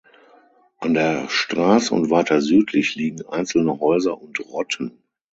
An der Straße und weiter südlich liegen einzelne Häuser und Rotten.